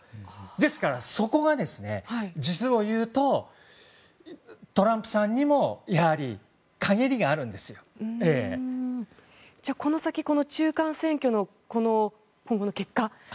ですから、そこが実をいうとトランプさんにもこの先、中間選挙の結果